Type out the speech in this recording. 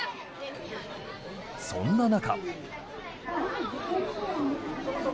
そんな中。